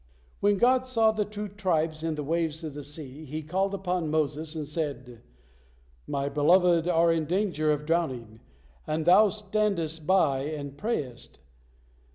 When God saw the two tribes in the waves of the sea, He called upon Moses, and said: "My beloved are in danger of drowning, and thou standest by and prayest.